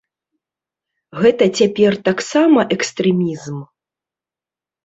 Гэта цяпер таксама экстрэмізм?